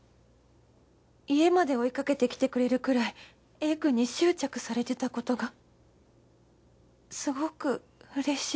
家まで追いかけてきてくれるくらい Ａ くんに執着されてたことがすごくうれしい